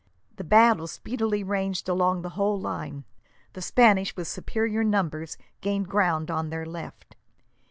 The battle speedily ranged along the whole line. The Spaniards, with superior numbers, gained ground on their left.